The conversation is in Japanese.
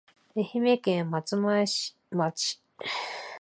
愛媛県松前町